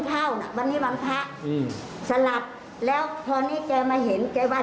ฉันก็ว่าวางไว้ไว้นี่ก็นี่